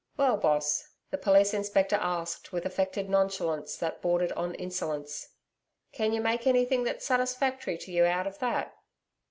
'Well, Boss,' the Police Inspector asked with affected nonchalance that bordered on insolence. 'Can you make anything that's satisfactory to you out of that?'